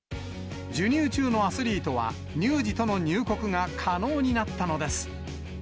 授乳中のアスリートは、乳児との入国が可能になったのです。